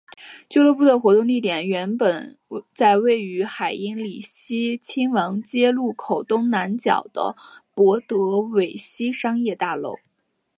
俱乐部的活动地点原本在位于海因里希亲王街路口东南角的博德维希商业大楼。